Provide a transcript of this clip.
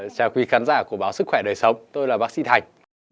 chào quý khán giả của báo sức khỏe đời sống tôi là bác sĩ thành